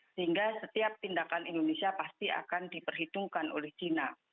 sehingga setiap tindakan indonesia pasti akan diperhitungkan oleh china